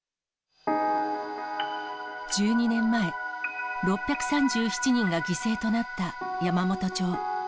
１２年前、６３７人が犠牲となった山元町。